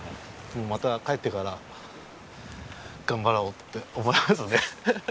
また帰ってから頑張ろうって思いますね。